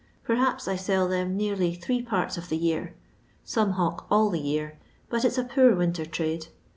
Perhaps I sell them nearly .three parts of the year. Some hawk all the year, but it 's a poor winter trade.